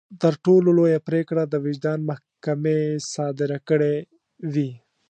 تر ټولو لويه پرېکړه د وجدان محکمې صادره کړې وي.